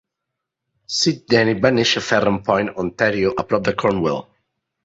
Cy Denneny va néixer a Farran's Point, Ontario, a prop de Cornwall.